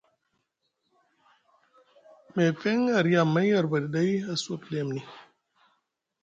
Meefeŋ a riya amay arbaɗi ɗay a suwa pɗemni.